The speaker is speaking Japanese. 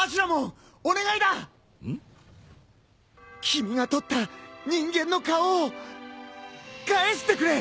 君が取った人間の顔を返してくれ！